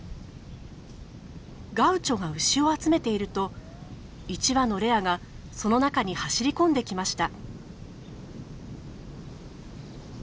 ガウチョが牛を集めていると１羽のレアがその中に走り込んできました。